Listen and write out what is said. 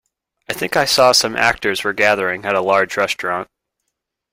I think I saw some actors were gathering at a large restaurant.